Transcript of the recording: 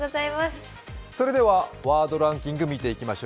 それではワードランキング見ていきましょう。